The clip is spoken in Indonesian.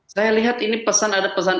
saya lihat ini pesan ada pesan